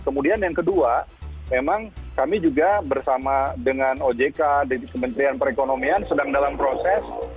kemudian yang kedua memang kami juga bersama dengan ojk di kementerian perekonomian sedang dalam proses